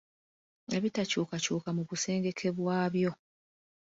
Ebitakyukakykuka mu busengeke bwabyo.